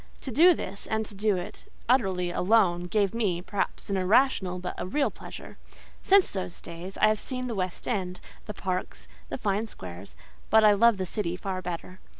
To do this, and to do it utterly alone, gave me, perhaps an irrational, but a real pleasure. Since those days, I have seen the West End, the parks, the fine squares; but I love the city far better.